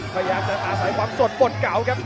พยายามจะอาศัยความสดบนเก่าครับ